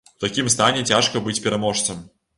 У такім стане цяжка быць пераможцам.